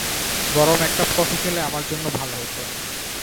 গরম এক cup coffee খেলে আমার জন্যে ভালো হত।